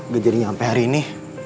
gak jadinya sampe hari ini